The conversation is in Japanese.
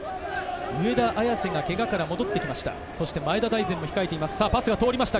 上田綺世がケガから戻ってきました。